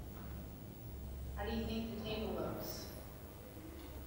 How do you think the table looks?